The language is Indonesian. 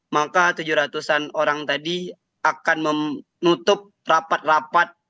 maka tujuh ratus an orang tadi akan menutup rapat rapat